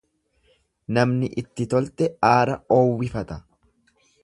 Namni itti tolte aara oowwifata.